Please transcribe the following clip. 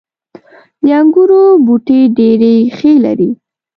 • د انګورو بوټي ډیرې ریښې لري.